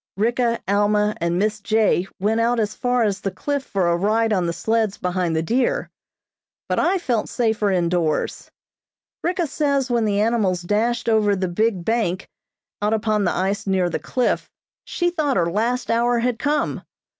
Ricka, Alma and Miss J. went out as far as the cliff for a ride on the sleds behind the deer, but I felt safer indoors. Ricka says when the animals dashed over the big bank, out upon the ice near the cliff, she thought her last hour had come.